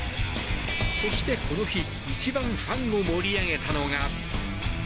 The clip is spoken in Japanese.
そして、この日一番ファンを盛り上げたのが。